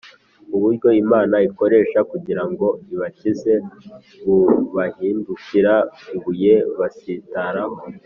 uburyo imana ikoresha kugira ngo ibakize bubahindukira ibuye basitaraho